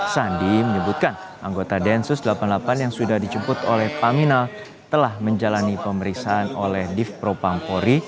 sandi menyebutkan anggota densus delapan puluh delapan yang sudah dijemput oleh paminal telah menjalani pemeriksaan oleh div propampori